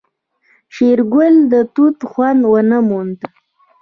شېرګل د توت خوند ونه موند.